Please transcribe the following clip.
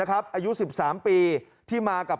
อายุ๑๓ปีที่มากับ